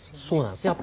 そうなんです。